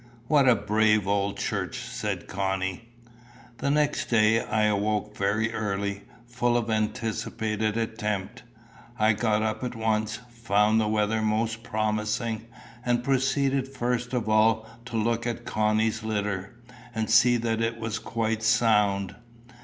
"What a brave old church!" said Connie. The next day I awoke very early, full of the anticipated attempt. I got up at once, found the weather most promising, and proceeded first of all to have a look at Connie's litter, and see that it was quite sound.